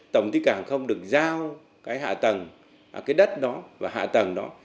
tổng thị cảng không được giao cái hạ tầng cái đất đó và hạ tầng đó